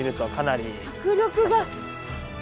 迫力が。